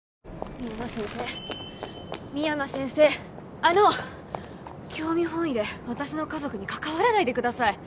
深山先生深山先生あのっ興味本位で私の家族に関わらないでください